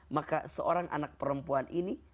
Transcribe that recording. maka seorang anak perempuan ini